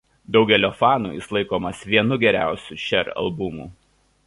Daugelio fanų jis laikomas vienu geriausių Cher albumų.